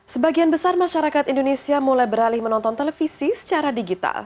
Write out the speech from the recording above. sebagian besar masyarakat indonesia mulai beralih menonton televisi secara digital